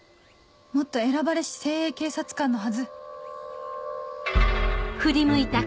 もっと選ばれし精鋭警察官のはず